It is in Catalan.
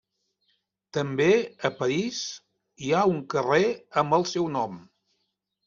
També a París hi ha un carrer amb el seu nom.